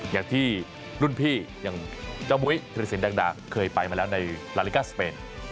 อย่างที่รุ่นพี่อย่างเจ้ามุ้ยธิรสินแดงดาเคยไปมาแล้วในลาลิกาสเปน